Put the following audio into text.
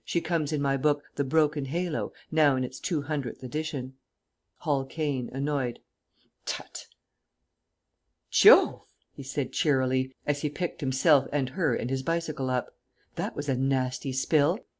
She comes in my book, "The Broken Halo," now in its two hundredth edition._ Hall Caine (annoyed). Tut!] "Jove," he said cheerily, as he picked himself and her and his bicycle up, "that was a nasty spill.